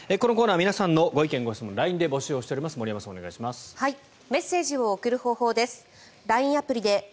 このコーナー皆さんのご意見・ご質問をＬＩＮＥで募集しています。